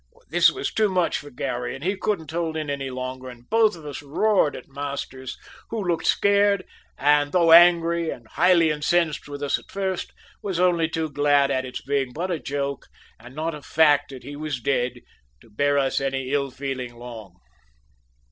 This was too much for Garry, and he couldn't hold in any longer, and both of us roared at Masters, who looked scared; and, though angry and highly incensed with us at first, was only too glad at its being but a joke, and not a fact that he was dead, to bear us any ill feeling long.